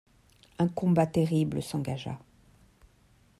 Un combat terrible s’engagea.